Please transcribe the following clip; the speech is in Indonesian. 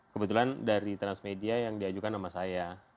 kebetulan dari transmedia yang diajukan sama saya